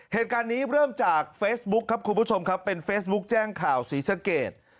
เหตุการณ์นี้เริ่มจากเฟซบุ๊คครับคุณผู้ชมครับเป็นเฟซบุ๊คแจ้งข่าวศรีสะเกด